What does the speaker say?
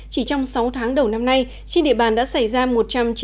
chỉ trong sáu tháng đầu năm nay trên địa bàn đã xảy ra một trăm chín mươi bảy vụn